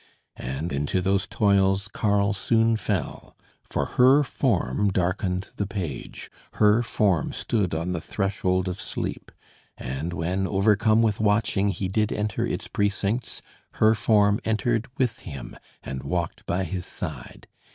And into those toils Karl soon fell. For her form darkened the page; her form stood on the threshold of sleep; and when, overcome with watching, he did enter its precincts, her form entered with him, and walked by his side.